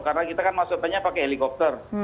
karena kita kan masuknya pakai helikopter